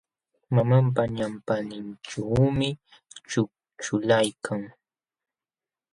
Mamanpa ñawpaqninćhuumi ćhukćhulaykan.